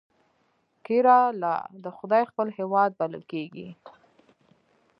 کیرالا د خدای خپل هیواد بلل کیږي.